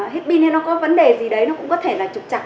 hít pin hay nó có vấn đề gì đấy nó cũng có thể là trục chặt